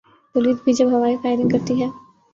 Police بھی جب ہوائی فائرنگ کرتی ہے۔